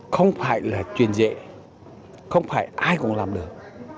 không phải là truyền dệ không phải ai cũng làm được